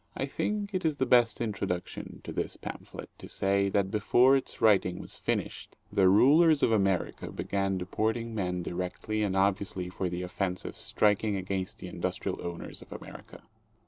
I think it is the best introduction to this pamphlet to say that before its writing was finished the rulers of America began deport ing men directly and obviously for the offense of striking against the industrial owners of America.